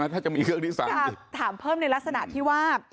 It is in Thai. ถามเปิ่มในรักษณะที่ว่า